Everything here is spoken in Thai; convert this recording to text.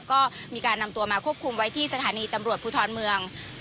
ก็มีการนำตัวมาควบคุมไว้ที่สถานีตำรวจภูทรเมือง